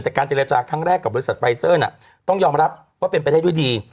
แต่การเจรจาครั้งแรกกับบริษัทไฟเซอร์น่ะต้องยอมรับว่าเป็นไปได้ด้วยดี